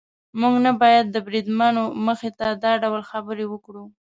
موږ نه باید د بریدمن وه مخې ته دا ډول خبرې وکړو.